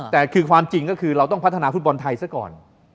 แต่คือความจริงก็คือเราต้องพัฒนาฟุตบอลไทยซะก่อน